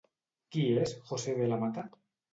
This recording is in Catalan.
Qui és José de la Mata?